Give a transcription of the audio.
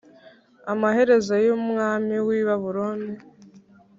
Amaherezo y’umwami w’i Babiloni